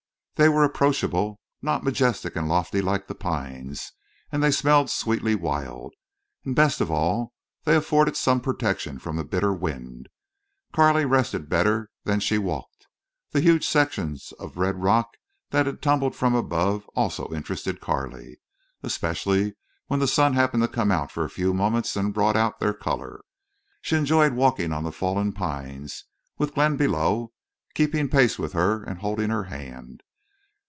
They were approachable, not majestic and lofty like the pines, and they smelled sweetly wild, and best of all they afforded some protection from the bitter wind. Carley rested better than she walked. The huge sections of red rock that had tumbled from above also interested Carley, especially when the sun happened to come out for a few moments and brought out their color. She enjoyed walking on the fallen pines, with Glenn below, keeping pace with her and holding her hand.